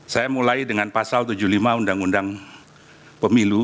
saya mulai dengan pasal tujuh puluh lima undang undang pemilu